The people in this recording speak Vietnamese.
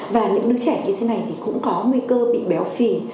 và những đứa trẻ như thế này thì cũng có nguy cơ bị béo phì